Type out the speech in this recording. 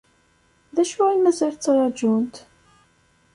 D acu i mazal ttrajunt?